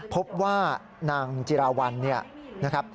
พบว่านางจิรวรรณนี่นะครับ